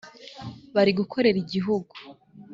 bari gukorera igihugu